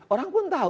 orang pun tahu